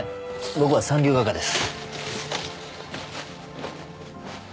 僕は三流画家です。